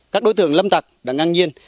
các đối tượng lâm tặc đã ngang nhiên